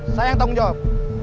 saya yang tanggung jawab